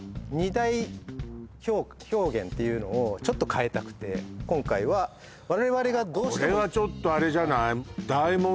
二大表現っていうのをちょっと変えたくて今回は我々がこれはちょっとあれじゃない？